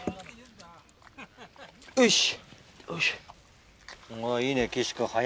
よし！